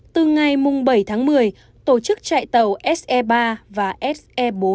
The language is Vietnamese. từ ngày bảy tháng một mươi tổ chức chạy tàu se ba và se bốn